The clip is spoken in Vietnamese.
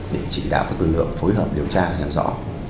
để chỉ đạo các lực lượng phối hợp điều tra và làm rõ